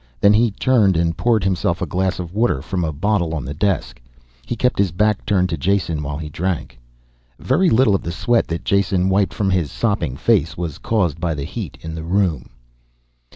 Then he turned and poured himself a glass of water from a bottle on the desk. He kept his back turned to Jason while he drank. Very little of the sweat that Jason wiped from his sopping face was caused by the heat in the room.